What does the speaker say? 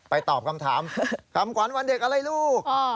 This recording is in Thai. ตอบคำถามคำขวัญวันเด็กอะไรลูก